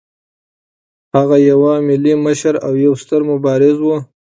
هغه یو ملي مشر او یو ستر مبارز و.